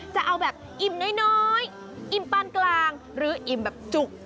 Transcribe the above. จะเอาแบบอิ่มน้อยอิ่มปานกลางหรืออิ่มแบบจุก